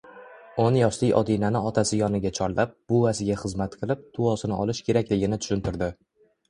O`n yoshli Odinani otasi yoniga chorlab, buvasiga xizmat qilib, duosini olish kerakligini tushuntirdi